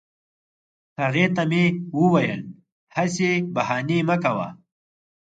هغې ته مې وویل هسي بهانې مه کوه